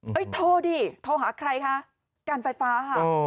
โทรดิโทรหาใครคะการไฟฟ้าค่ะ